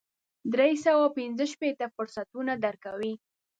درې سوه او پنځه شپېته فرصتونه درکوي.